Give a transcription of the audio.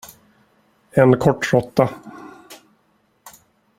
En kort råtta.